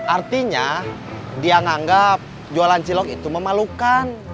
artinya dia menganggap jualan cilok itu memalukan